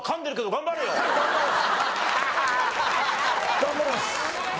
頑張ります。